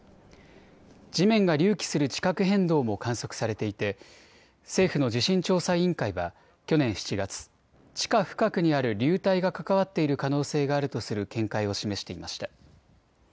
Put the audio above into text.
地面が隆起する地殻変動も観測されていて政府の地震調査委員会は去年７月、地下深くにある流体が関わっている可能性があるとする見解を示していました。